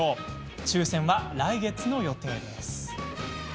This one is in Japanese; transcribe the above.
抽せんは、来月の予定です。